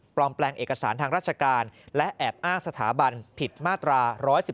แปลงเอกสารทางราชการและแอบอ้างสถาบันผิดมาตรา๑๑๒